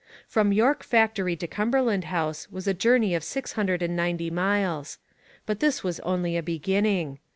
From York Factory to Cumberland House was a journey of six hundred and ninety miles. But this was only a beginning.